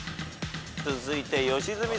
続いて良純さん。